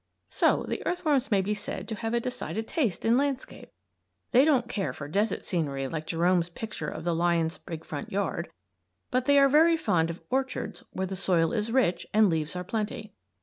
So the earthworms may be said to have a decided taste in landscape. They don't care for desert scenery like Gerome's picture of the lion's big front yard, but they are very fond of orchards where the soil is rich and leaves are plenty.